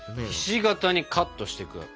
ひし形にカットしていく。